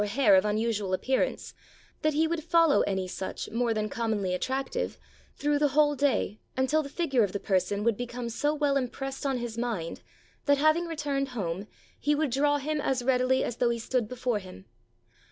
85 ITALY hair of unusual appearance, that he would follow any such, more than commonly attractive, through the whole day, until the figure of the person would become so well impressed on his mind that, having returned home, he would draw him as readily as though he stood before him.